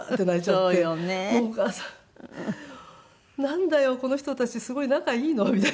なんだよこの人たちすごい仲いいの？みたいな。